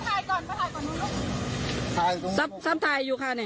พระใหญ่ก่อนมาถ่ายก่อนสัปดิ์ใจอยู่ค่ะนี่